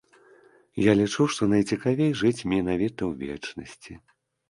Я лічу, што найцікавей жыць менавіта ў вечнасці.